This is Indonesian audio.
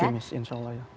optimis insya allah ya